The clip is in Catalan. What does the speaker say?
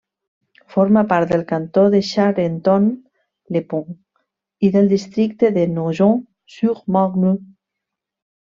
Forma part del cantó de Charenton-le-Pont i del districte de Nogent-sur-Marne.